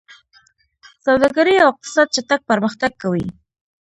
سوداګري او اقتصاد چټک پرمختګ کوي.